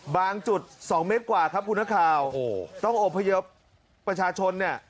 บางจุดสองเมตรกว่าครับคุณนักข่าวต้องอบพยพประชาชนเนี่ย